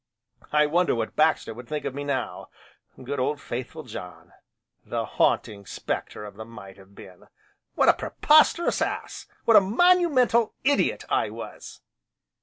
"I wonder what Baxter would think of me now, good old faithful John. The Haunting Spectre of the Might Have Been, What a preposterous ass! what a monumental idiot I was!"